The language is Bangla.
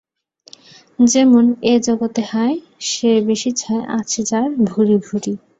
যেমন: ‘এ জগতে হায় সে বেশি চায় আছে যার ভূরি ভূরি।